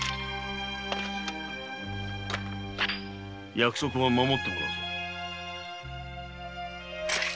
約束は守ってもらう。